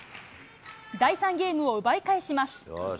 第３ゲームを奪い返します。